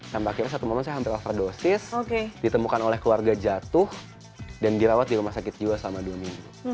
sampai akhirnya satu momen saya hampir overdosis ditemukan oleh keluarga jatuh dan dirawat di rumah sakit jiwa selama dua minggu